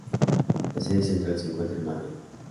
La sede central se encuentra en Madrid.